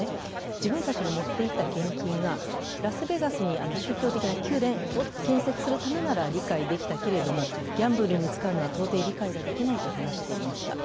自分たちの持っていった献金がラスベガスに宗教的な宮殿を建設するためなら理解できたけれども、ギャンブルに使うのは到底理解ができないと話していました。